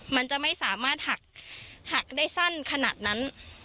มันจะไม่สามารถหักได้สั้นขนาดนั้น